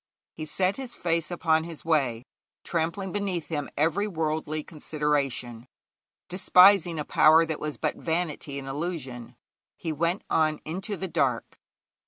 He set his face upon his way, trampling beneath him every worldly consideration, despising a power that was but vanity and illusion; he went on into the dark.